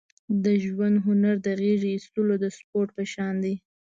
د ژوند هنر د غېږې اېستلو د سپورت په شان دی.